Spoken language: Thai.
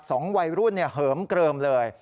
สองวัยรุ่นเหิมเกลิมเลย